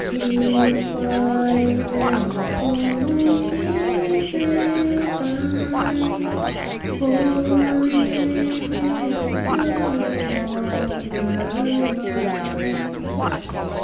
Keep my will, oh, keep it Thine! For it is no longer mine.